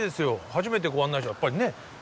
初めて案内したらやっぱりね。